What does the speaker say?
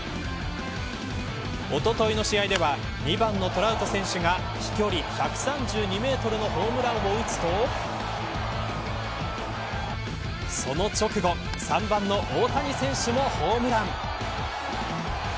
おとといの試合では２番のトラウト選手が飛距離１３２メートルのホームランを打つとその直後、３番の大谷選手もホームラン。